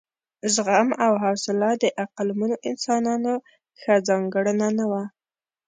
زغم او حوصله د عقلمنو انسانانو ښه ځانګړنه نه وه.